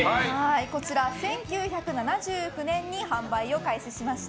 こちら１９７９年に販売を開始しました。